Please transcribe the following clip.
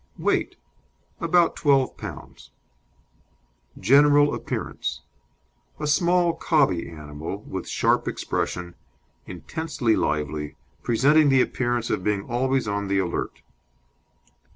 WEIGHT About twelve pounds. GENERAL APPEARANCE A small cobby animal with sharp expression, intensely lively, presenting the appearance of being always on the alert.